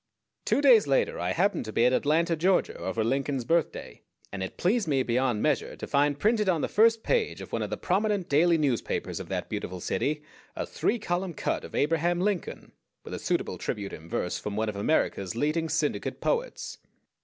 Two days later I happened to be at Atlanta, Georgia, over Lincoln's Birthday, and it pleased me beyond measure to find printed on the first page of one of the prominent daily newspapers of that beautiful city a three column cut of Abraham Lincoln, with a suitable tribute in verse from one of America's leading syndicate poets.